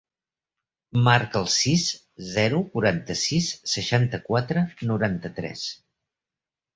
Marca el sis, zero, quaranta-sis, seixanta-quatre, noranta-tres.